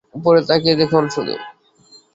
উপরে তাকিয়ে দেখুন শুধু!